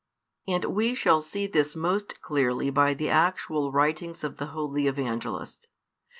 And we shall see this most clearly by the actual writings of the holy Evangelists.